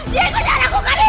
kamu tidak bisa lakukan itu